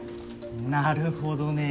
なるほどね。